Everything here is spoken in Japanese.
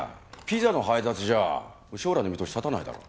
ピザの配達じゃ将来の見通し立たないだろ。